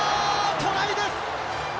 トライです。